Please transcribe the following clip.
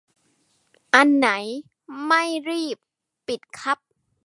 อันไหนไม่รีบ ปิด ครับ